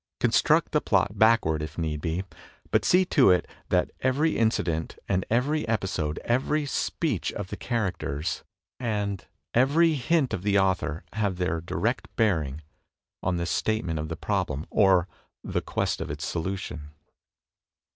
Construct the plot backward, if need be; but see to it that every inci dent and every episode, every s|}eech of the characters and 292 THE TECHNIQUE OF THE MYSTERY STORY every hint of the author have their direct bearing on the statement of the problem or the quest of its solution.